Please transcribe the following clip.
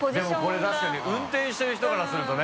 これ確かに運転してる人からするとね。